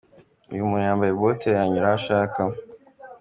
Iyo muntu yambaye bote yanyura aho ashaka.